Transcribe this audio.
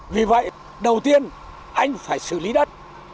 vì vậy đầu tiên anh phải xử lý đất